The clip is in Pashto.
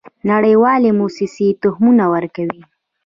نړیوالې موسسې تخمونه ورکوي.